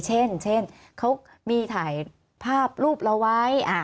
เช่นเขามีถ่ายภาพรูปเราไว้